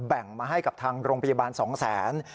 มาให้กับทางโรงพยาบาล๒แสน